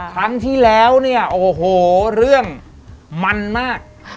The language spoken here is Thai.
ครั้งที่แล้วเนี่ยโอ้โหเรื่องมันมาก